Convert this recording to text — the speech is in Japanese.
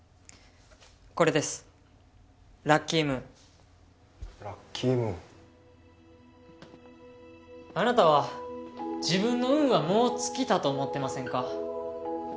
これですラッキームーンラッキームーンあなたは自分の運はもう尽きたと思ってませんか？